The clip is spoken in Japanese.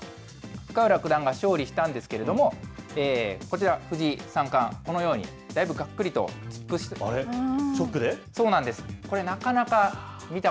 深浦九段が勝利したんですけれども、こちら、藤井三冠、このようにだいぶがっくりと突っ伏しています。